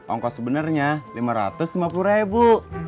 ongkos sebenarnya lima ratus lima puluh ribu